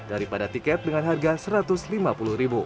daripada tiket dengan harga rp satu ratus lima puluh